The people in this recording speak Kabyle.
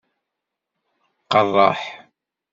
Qerreḥ?